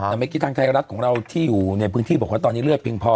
แต่เมื่อกี้ทางไทยรัฐของเราที่อยู่ในพื้นที่บอกว่าตอนนี้เลือดเพียงพอ